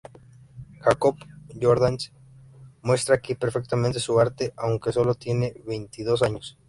Jacob Jordaens muestra aquí perfectamente su arte, aunque que sólo tiene veintidós años.